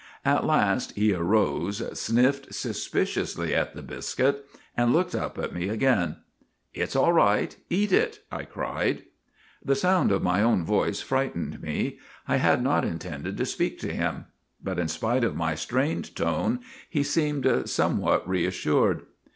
At last he arose, sniffed suspiciously at the biscuit, and looked up at me again. "' It 's all right ; eat it !' I cried. The sound of my own voice frightened me. I had not intended to speak to him. But in spite of my strained tone he seemed somewhat reassured.